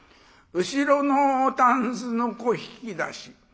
後ろのタンスの小引き出し